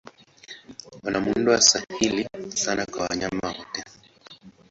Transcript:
Wana muundo sahili sana wa wanyama wote.